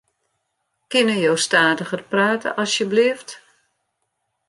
Kinne jo stadiger prate asjebleaft?